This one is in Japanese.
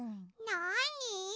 なに？